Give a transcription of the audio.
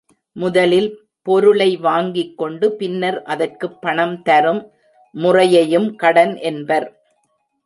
முதலில் பொருளை வாங்கிக்கொண்டு பின்னர் அதற்குப் பணம் தரும் முறையையும் கடன் என்பர்